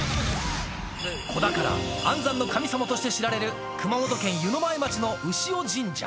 子宝、安産の神様として知られる熊本県湯前町の潮神社。